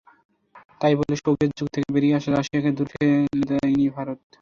তাই বলে সোভিয়েত যুগ থেকে বেরিয়ে আসা রাশিয়াকেও দূরে ঠেলে দেয়নি ভারত।